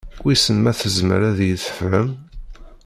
Wissen ma tezmer ad iyi-d-tefhem?